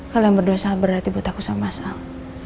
kalian berdua sabar hati buat aku sama asang